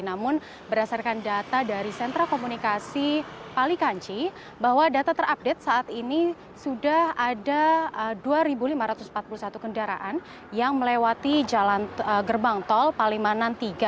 namun berdasarkan data dari sentra komunikasi palikanci bahwa data terupdate saat ini sudah ada dua lima ratus empat puluh satu kendaraan yang melewati gerbang tol palimanan tiga